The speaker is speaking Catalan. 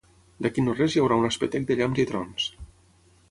D'aquí no-res hi haurà un espetec de llamps i trons